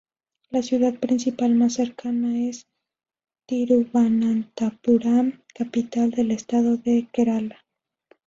La ciudad principal más cercana es Thiruvananthapuram, capital del estado de Kerala.